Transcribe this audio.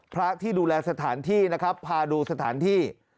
พระที่ดูแลสถานที่นะครับพาดูสถานที่